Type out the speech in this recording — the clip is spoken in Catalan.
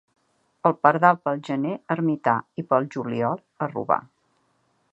El pardal pel gener, ermità, i pel juliol, a robar.